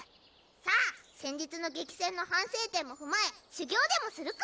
さあ先日の激戦の反省点も踏まえ修行でもするか。